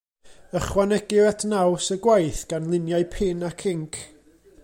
Ychwanegir at naws y gwaith gan luniau pin ac inc.